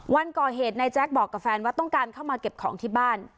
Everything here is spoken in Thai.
วันก่อเหตุนายแจ๊คบอกกับแฟนว่าต้องการเข้ามาเก็บของที่บ้าน